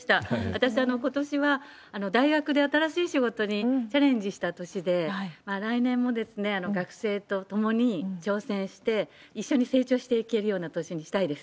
私、ことしは大学で新しい仕事にチャレンジした年で、来年も学生と共に挑戦して、一緒に成長していけるような年にしたいです。